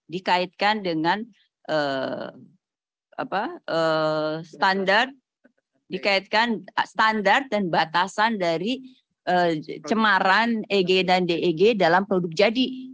dikaitkan dengan standar dan batasan dari cemaran eg dan deg dalam produk jadi